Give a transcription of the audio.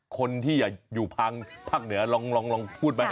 คนที่อยู่ทางภาคเหนือลองพูดไหม